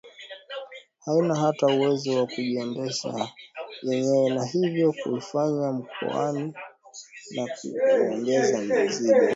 haina hata uwezo wa kujiendesha yenyewe na hivyo kuifanya mkoa ni kuongeza mzigo